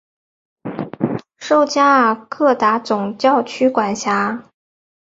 受加尔各答总教区管辖。